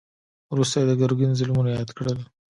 وروسته يې د ګرګين ظلمونه ياد کړل.